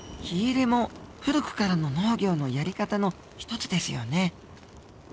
火入れも古くからの農業のやり方の一つですよね。